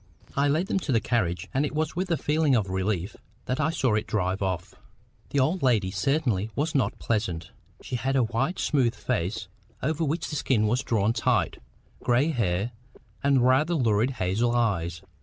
I led them to the carriage, and it was with a feeling of relief that I saw it drive off. The old lady certainly was not pleasant. She had a white smooth face over which the skin was drawn tight, gray hair, and rather lurid hazel eyes.